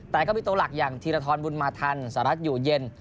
แต่ก็มีตัวหลักอย่างธีรทรบุญมาทันสหรัฐอยู่เย็น